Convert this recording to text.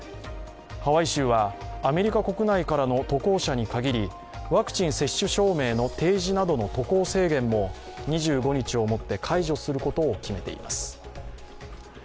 ハワイ州はアメリカ国内からの渡航者に限り、ワクチン接種証明の提示などの渡航制限も２５日をもって解除することを決めています。